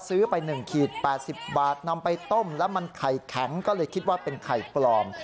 ซื้อไป๑ขีด๘๐บาทนำไปต้มแล้วมันไข่แข็งก็เลยคิดว่าเป็นไข่ปลอม